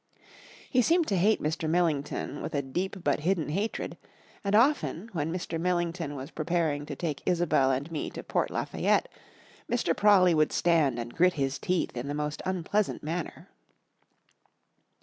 He seemed to hate Mr. Millington With a deep but hidden hatred, and often, when Mr. Millington was preparing to take Isobel and me to Port Lafayette, Mr. Prawley would stand and grit his teeth in the most unpleasant manner.